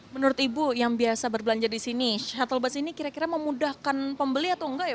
menurut ibu yang biasa berbelanja di sini shuttle bus ini memudahkan pembeli